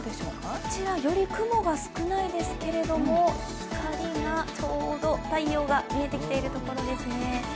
より雲が少ないですけれども、光がちょうど太陽が見えてきているところですね。